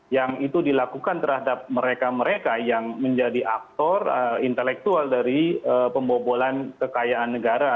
yang itu dilakukan terhadap mereka mereka yang menjadi aktor intelektual dari pembobolan kekayaan negara